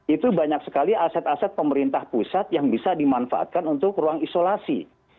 itu banyak sekali aset aset pemerintah pusat yang bisa dimanfaatkan untuk ruang isolasi